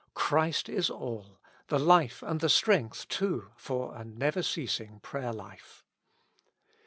Christ is all, the life and the strength too for a never ceasing prayer life.